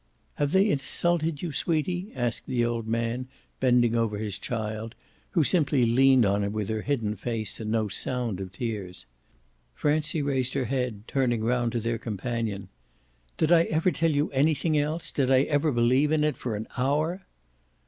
"HAVE they insulted you, sweetie?" asked the old man, bending over his child, who simply leaned on him with her hidden face and no sound of tears. Francie raised her head, turning round to their companion. "Did I ever tell you anything else did I ever believe in it for an hour?"